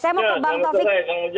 selamat sore bang taufik